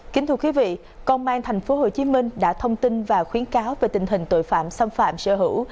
kính thưa quý vị công an tp hcm đã thông tin và khuyến cáo về tình hình tội phạm xâm phạm sở hữu